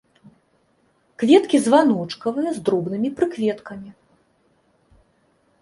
Кветкі званочкавыя з дробнымі прыкветкамі.